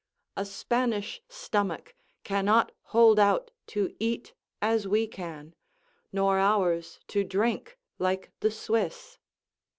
A Spanish stomach cannot hold out to eat as we can, nor ours to drink like the Swiss.